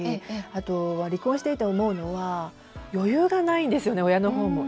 あと、離婚していて思うのは余裕がないんですよね、親の方も。